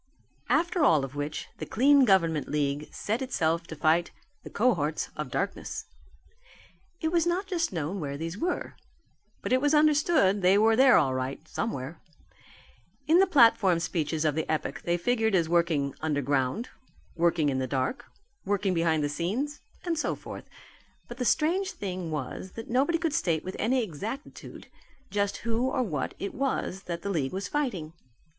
After all of which the Clean Government League set itself to fight the cohorts of darkness. It was not just known where these were. But it was understood that they were there all right, somewhere. In the platform speeches of the epoch they figured as working underground, working in the dark, working behind the scenes, and so forth. But the strange thing was that nobody could state with any exactitude just who or what it was that the league was fighting.